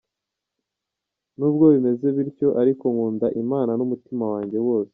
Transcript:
Nubwo bimeze bityo ariko, nkunda Imana n’umutima wanjye wose.